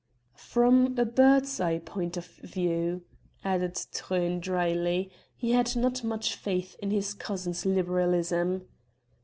"From a bird's eye point of view," added Truyn drily; he had not much faith in his cousin's liberalism.